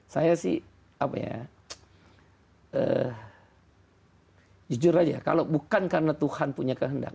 saya sih jujur saja kalau bukan karena tuhan punya kehendak